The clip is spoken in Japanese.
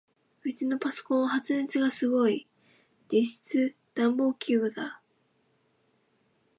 ウチのパソコンは発熱がすごい。実質暖房器具だ。